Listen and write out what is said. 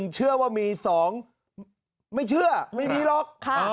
เชื่อว่ามี๒ไม่เชื่อไม่มีหรอก